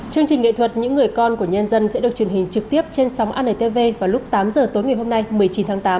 chương trình nghệ thuật những người con của nhân dân sẽ được truyền hình trực tiếp trên sóng anntv vào lúc tám h tối miễn phí